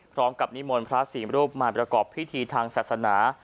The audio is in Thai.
พร้อมกับนิมนต์พระสีมรูปมาประกอบพิธีทางศาสนา